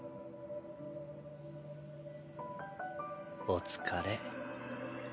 お疲れ。